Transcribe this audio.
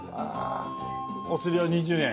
お釣りの２０円。